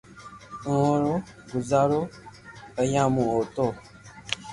اووہ رو گوزارو پينيا مون ھوتو